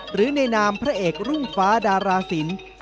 หรือในนามพระเอกรุ่งฟ้าดาราศิลป์